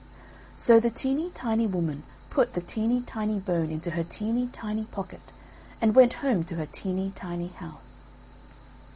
So the teeny tiny woman put the teeny tiny bone into her teeny tiny pocket, and went home to her teeny tiny house.